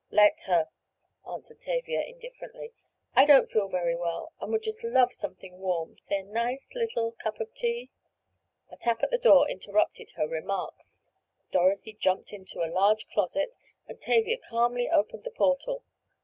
"Let her," answered Tavia indifferently. "I don't feel very well, and would just love something warm—say a nice little cup of tea—" A tap at the door interrupted her remarks. Dorothy jumped into a large closet and Tavia calmly opened the portal.